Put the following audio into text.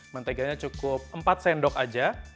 menteganya cukup empat sendok aja